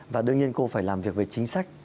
và đương nhiên cô phải làm việc về chính sách